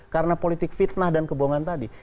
karena politik fitnah dan kebohongan tadi